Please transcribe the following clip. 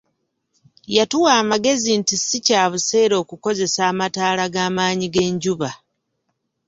Yatuwa amagezi nti si kya buseere okukozesa amataala g'amaanyi g'enjuba.